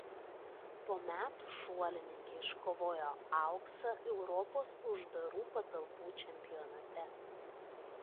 Po metų šuolininkė iškovojo auksą Europos uždarų patalpų čempionate.